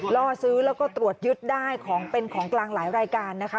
ล่อซื้อแล้วก็ตรวจยึดได้ของเป็นของกลางหลายรายการนะคะ